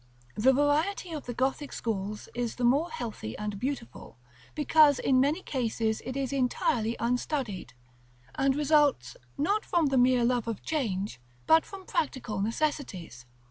The variety of the Gothic schools is the more healthy and beautiful, because in many cases it is entirely unstudied, and results, not from the mere love of change, but from practical necessities.